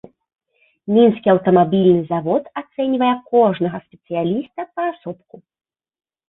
Мінскі аўтамабільны завод ацэньвае кожнага спецыяліста паасобку.